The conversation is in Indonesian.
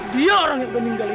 dia orang yang meninggalin